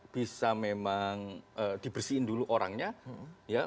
bisa memang dibersihin dulu orangnya ya